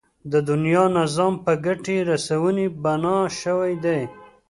د دنيا نظام په ګټې رسونې بنا شوی دی.